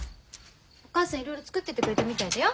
お母さんいろいろ作ってってくれたみたいだよ。